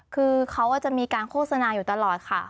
คือเขาจะมีการโฆษณาอยู่ตลอดค่ะ